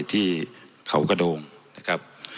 ที่เขากระโดงนะครับ